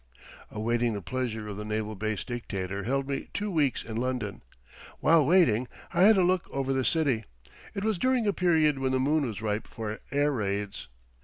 Awaiting the pleasure of the naval base dictator held me two weeks in London. While waiting I had a look over the city. It was during a period when the moon was ripe for air raids.